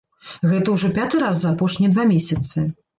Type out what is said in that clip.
Гэта ўжо пяты раз за апошнія два месяцы.